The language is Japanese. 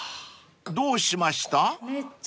［どうしました？］